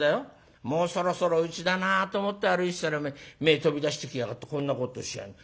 もうそろそろうちだなと思って歩いてたらお前前飛び出してきやがってこんなことしてやんだ。